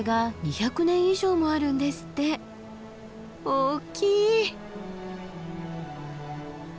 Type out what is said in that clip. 大きい。